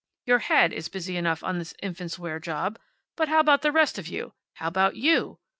Your head is busy enough on this infants' wear job, but how about the rest of you how about You?